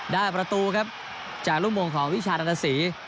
ได้ประตูครับจากรุ่งมงของวิชานาศี